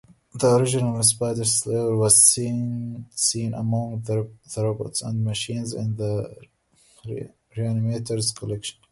The original Spider-Slayer was seen among the robots and machines in the Reanimator's collection.